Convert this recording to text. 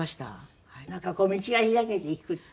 なんかこう道が開けていくっていうかね。